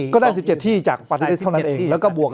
ก็ได้๑๗ที่จากปัจจุเรียนเท่านั้นเอง